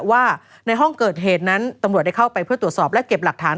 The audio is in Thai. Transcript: ว่าในห้องเกิดเหตุนั้นตำรวจได้เข้าไปเพื่อตรวจสอบและเก็บหลักฐาน